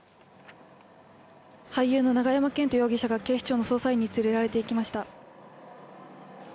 俳優の永山絢斗容疑者が警視庁の捜査員に連れられていきました。